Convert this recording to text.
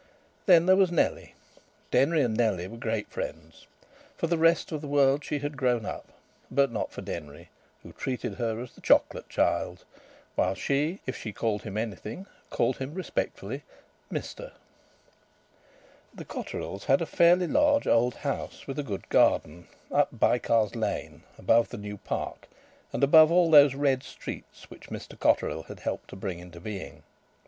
Then there was Nellie. Denry and Nellie were great friends. For the rest of the world she had grown up, but not for Denry, who treated her as the chocolate child; while she, if she called him anything, called him respectfully "Mr." The Cotterills had a fairly large old house with a good garden "up Bycars Lane," above the new park and above all those red streets which Mr Cotterill had helped to bring into being.